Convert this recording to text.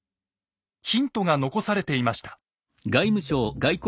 ヒントが残されていました。